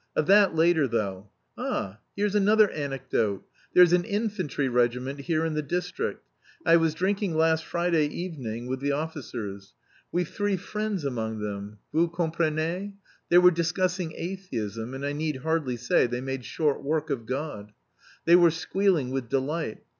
of that later, though. Ah, here's another anecdote. There's an infantry regiment here in the district. I was drinking last Friday evening with the officers. We've three friends among them, vous comprenez? They were discussing atheism and I need hardly say they made short work of God. They were squealing with delight.